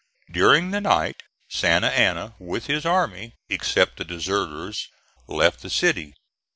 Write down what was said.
During the night Santa Anna, with his army except the deserters left the city.